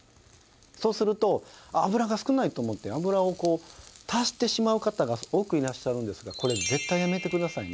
そうすると油が少ないと思って油をこう足してしまう方が多くいらっしゃるんですがこれ絶対やめてくださいね。